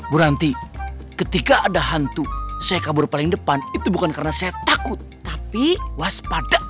bu nanti ketika ada hantu saya kabur paling depan itu bukan karena saya takut tapi waspada